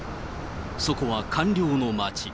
そこは官僚の街。